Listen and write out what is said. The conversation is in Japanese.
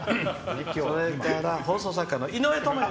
それから放送作家の井上知幸。